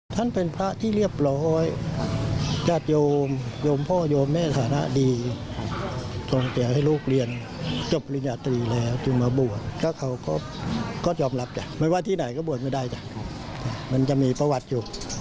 ไม่ว่าที่ไหนก็บวชไม่ได้จ๊ะมันจะมีประวัติอยู่